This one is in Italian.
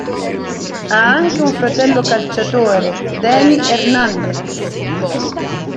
Ha anche un fratello calciatore, Dani Hernández.